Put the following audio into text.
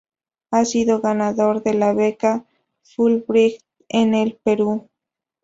Ha sido ganador de la Beca Fulbright en el Perú.